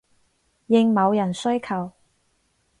應某人需求